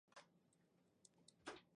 为外颈动脉的两条终末分支之一。